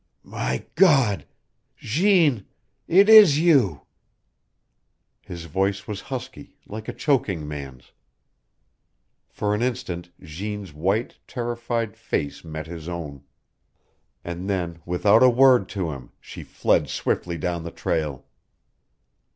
"My God! Jeanne it is you!" His voice was husky, like a choking man's. For an instant Jeanne's white, terrified face met his own. And then, without a word to him, she fled swiftly down the trail.